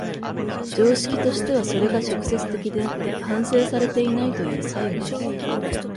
常識としてはそれが直接的であって反省されていないという差異がある。